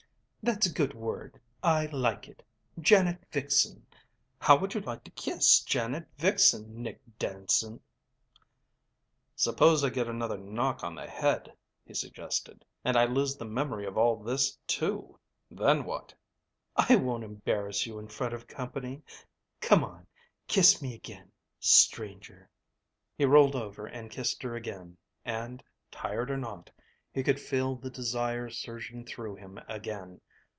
"That's a good word. I like it. Janet Vixen. How would you like to kiss Janet Vixen, Nick Danson?" "Suppose I get another knock on the head," he suggested, "and I lose the memory of all this, too? Then what?" "I won't embarrass you in front of company. C'mon, kiss me again, stranger!" He rolled over and kissed her again and, tired or not, he could feel the desire surging through him again.